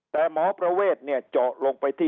แต่หมอประเวทเนี่ยเจาะลงไปที่